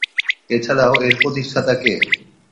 এছাড়াও এর প্রতিষ্ঠাতা কে?